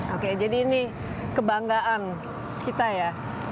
oke jadi ini kebanggaan kita ya pak ade